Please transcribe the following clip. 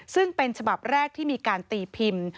ซึ่งเป็นฉบับแรกที่มีการตีพิมพ์